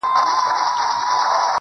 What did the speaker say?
o ما خپل گڼي اوس يې لا خـپـل نه يـمه.